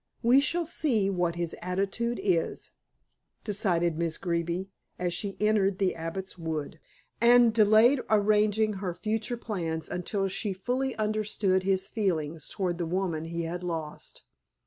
"We shall see what his attitude is," decided Miss Greeby, as she entered the Abbot's Wood, and delayed arranging her future plans until she fully understood his feelings towards the woman he had lost.